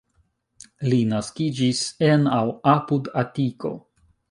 Li naskiĝis en aŭ apud Atiko.